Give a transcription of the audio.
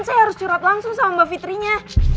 saya harus curhat langsung sama mbak fitrinya